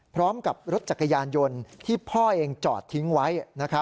พร้อมกับรถจักรยานยนต์ที่พ่อเองจอดทิ้งไว้